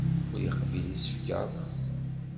Ur iqebbel isefka.